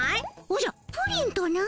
おじゃプリンとな？